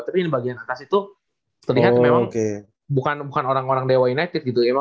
tapi di bagian atas itu terlihat memang bukan orang orang dewa united gitu